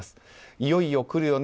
いよいよくるよね